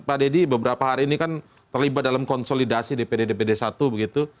pak dedy beberapa hari ini kan terlibat dalam konsolidasi dpd dpd satu begitu